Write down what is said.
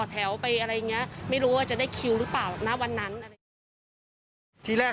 ที่มันคิดว่าดีที่สุดตอนนี้